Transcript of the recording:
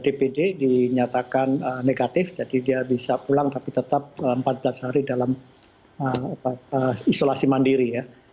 dpd dinyatakan negatif jadi dia bisa pulang tapi tetap empat belas hari dalam isolasi mandiri ya